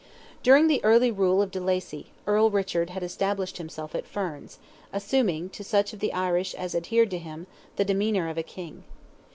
During the early rule of de Lacy, Earl Richard had established himself at Ferns, assuming, to such of the Irish as adhered to him, the demeanour of a king.